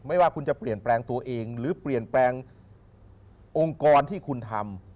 ว่าคุณจะเปลี่ยนแปลงตัวเองหรือเปลี่ยนแปลงองค์กรที่คุณทำ